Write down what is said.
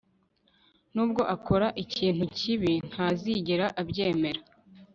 nubwo akora ikintu kibi, ntazigera abyemera